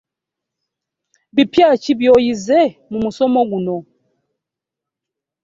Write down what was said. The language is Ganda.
Bipya ki byoyize mu musomoguno?